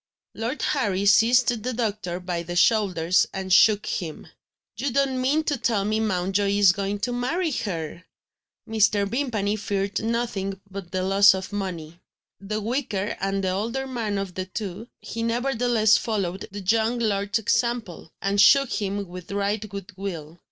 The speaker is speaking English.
Lord Harry seized the doctor by the shoulders, and shook him: "You don't mean to tell me Mountjoy is going to marry her?" Mr. Vimpany feared nothing but the loss of money. The weaker and the older man of the two, he nevertheless followed the young lord's example, and shook him with right good will.